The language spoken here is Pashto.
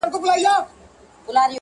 هغه جنتي حوره ته انسانه دا توپیر دی,